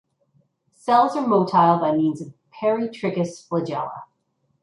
Cells are motile by means of peritrichous flagella.